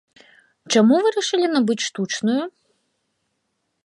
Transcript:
Чаму вырашылі набыць штучную?